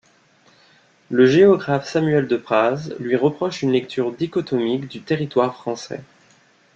Le géographe Samuel Depraz lui reproche une lecture dichotomique du territoire français.